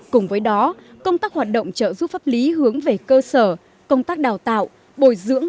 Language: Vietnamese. cùng với đó công tác hoạt động trợ giúp pháp lý hướng về cơ sở công tác đào tạo bồi dưỡng